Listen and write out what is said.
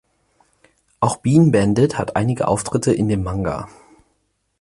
Auch Bean Bandit hat einige Auftritte in dem Manga.